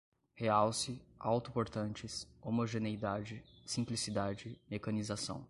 realce, auto-portantes, homogeneidade, simplicidade, mecanização